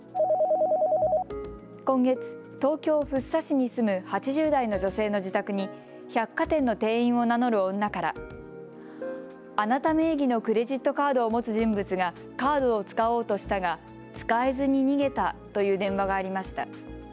今月、東京福生市に住む８０代の女性の自宅に百貨店の店員を名乗る女からあなた名義のクレジットカードを持つ人物がカードを使おうとしたが使えずに逃げたという電話がありました。